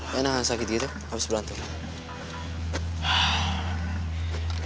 kenalahan sakit gitu abis berantung